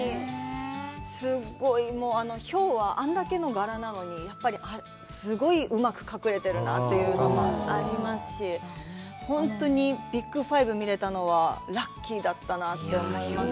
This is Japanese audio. すごい、ヒョウはあんだけの柄なのに、やっぱりすごいうまく隠れてるなっていうのもありますし、本当にビッグ５を見られたのはラッキーだったなって思いますね。